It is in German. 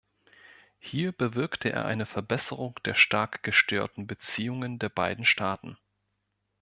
Hier bewirkte er eine Verbesserung der stark gestörten Beziehungen der beiden Staaten.